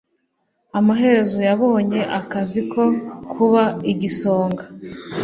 Amaherezo yabonye akazi ko kuba igisonga.